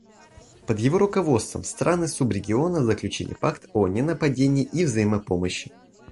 Под его руководством страны субрегиона заключили пакт о ненападении и взаимопомощи.